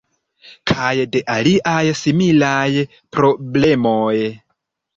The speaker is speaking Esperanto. Kaj de aliaj similaj problemoj.